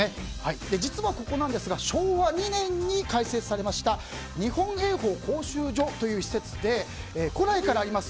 実はここなんですが昭和２年に開設されました日本泳法講習所という施設で古来からあります